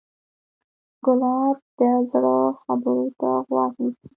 ګلاب د زړه خبرو ته غوږ نیسي.